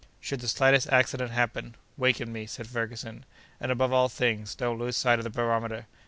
"Should the slightest accident happen, waken me," said Ferguson, "and, above all things, don't lose sight of the barometer.